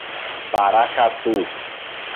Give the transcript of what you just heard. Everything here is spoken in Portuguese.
Paracatu